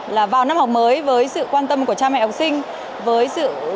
là vào năm học mới với sự quan tâm của cha mẹ học sinh với sự cố gắng sự giúp đỡ